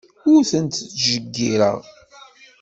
Ur tent-ttjeyyireɣ.